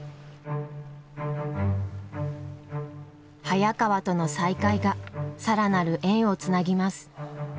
早川との再会が更なる縁をつなぎます。